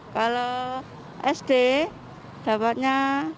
kalau sd dapatnya satu ratus dua puluh lima